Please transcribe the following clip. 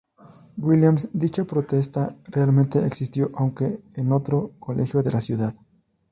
Williams, dicha protesta realmente existió aunque en otro colegio de la ciudad.